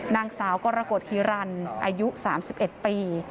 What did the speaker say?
นางสาวก็ระกดฮีรันทร์อายุ๓๑ปี